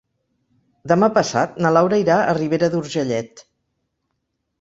Demà passat na Laura irà a Ribera d'Urgellet.